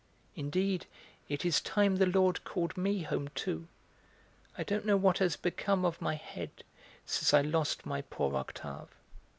Indeed, it is time the Lord called me home too; I don't know what has become of my head since I lost my poor Octave.